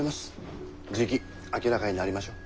じき明らかになりましょう。